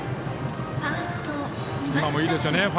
いいですよね。